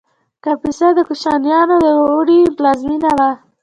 کاپیسا د کوشانیانو د اوړي پلازمینه وه